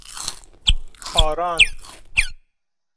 خاراند